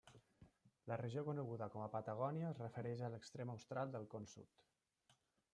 La regió coneguda com a Patagònia es refereix a l'extrem austral del Con Sud.